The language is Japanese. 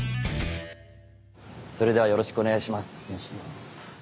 それではよろしくお願いします。